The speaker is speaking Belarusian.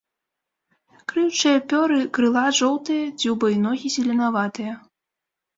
Крыючыя пёры крыла жоўтыя, дзюба і ногі зеленаватыя.